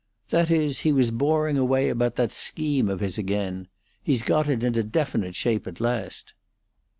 That is, he was boring away about that scheme of his again. He's got it into definite shape at last."